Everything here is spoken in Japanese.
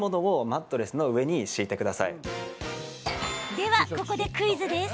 では、ここでクイズです。